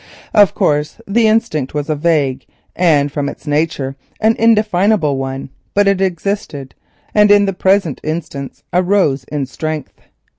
Of course the instinct was a vague, and from its nature an undefinable one, but it existed, and in the present instance arose in strength.